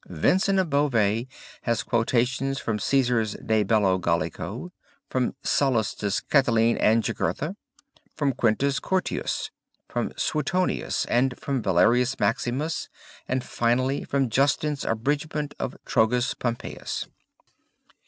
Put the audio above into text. Vincent of Beauvais has quotations from Caesar's De Bello Gallico, from Sallust's Catiline and Jugurtha, from Quintus Curtius, from Suetonius and from Valerius Maximus and finally from Justin's Abridgement of Trogus Pompeius.